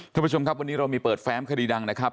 ท่านผู้ชมครับวันนี้เรามีเปิดแฟ้มคดีดังนะครับ